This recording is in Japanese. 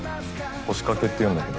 星掛けっていうんだけど。